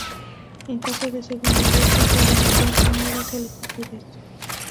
En caso de segunda vuelta, pueden enviarse nuevas solicitudes.